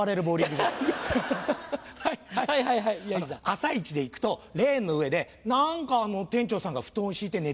朝イチで行くとレーンの上で何か店長さんが布団敷いて寝ている。